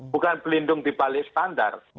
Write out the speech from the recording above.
bukan berlindung dibalik standar